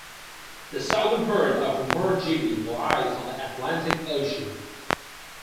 The southern part of Margibi lies on the Atlantic Ocean.